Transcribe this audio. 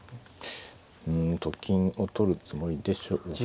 うんと金を取るつもりでしょうか。